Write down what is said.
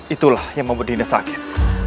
itulah yang membuat dina sakit